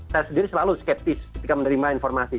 saya sendiri selalu skeptis ketika menerima informasi